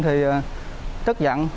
thì tức giận